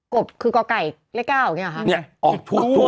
กบคือกว่าไก่เลข๙เนี่ยหรอคะ